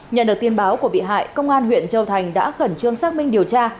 nhận được tin báo của bị hại công an huyện châu thành đã khẩn trương xác minh điều tra